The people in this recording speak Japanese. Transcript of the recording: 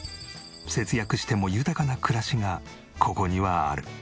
節約しても豊かな暮らしがここにはある。